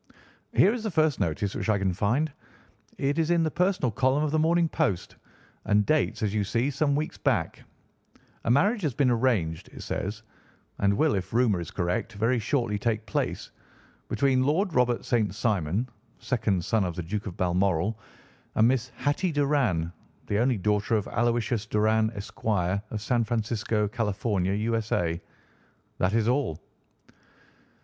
"Here is the first notice which I can find. It is in the personal column of the Morning Post, and dates, as you see, some weeks back: 'A marriage has been arranged,' it says, 'and will, if rumour is correct, very shortly take place, between Lord Robert St. Simon, second son of the Duke of Balmoral, and Miss Hatty Doran, the only daughter of Aloysius Doran. Esq., of San Francisco, Cal., U.S.A.' That is all."